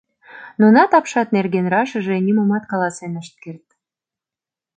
Нунат апшат нерген рашыже нимомат каласен ышт керт.